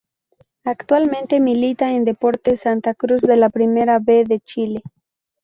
Actualmente milita en Deportes Santa Cruz de la Primera B de Chile.